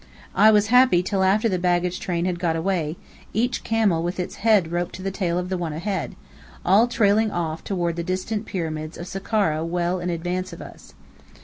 I was happy till after the baggage train had got away, each camel with its head roped to the tail of the one ahead, all trailing off toward the distant Pyramids of Sakkhara well in advance of us.